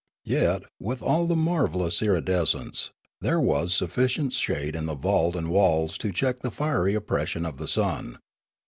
Yet, with all the marvellous iridescence, there was sufficient shade in the vault and walls to check the fiery oppression of the sun.